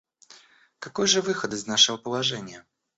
Какой же выход из нашего положения?